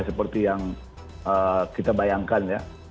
seperti yang kita bayangkan ya